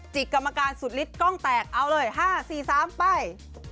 กรรมการสุดฤทธกล้องแตกเอาเลย๕๔๓ไป